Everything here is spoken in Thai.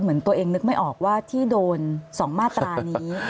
เหมือนตัวเองนึกไม่ออกว่าที่โดน๒มาตรานี้